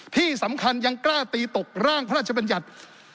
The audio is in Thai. ที่สำคัญยังกล้าตีตกร่างพระราชบัญญัติ